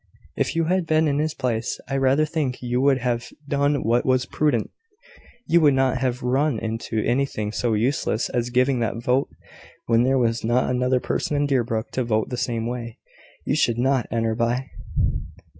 If you had been in his place, I rather think you would have done what was prudent you would not have run into anything so useless as giving that vote, when there was not another person in Deerbrook to vote the same way. You would not, Enderby."